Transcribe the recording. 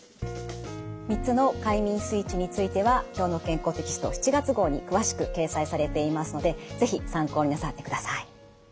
３つの快眠スイッチについては「きょうの健康」テキスト７月号に詳しく掲載されていますので是非参考になさってください。